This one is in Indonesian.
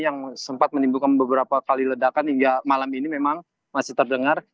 yang sempat menimbulkan beberapa kali ledakan hingga malam ini memang masih terdengar